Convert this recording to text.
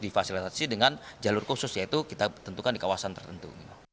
difasilitasi dengan jalur khusus yaitu kita tentukan di kawasan tertentu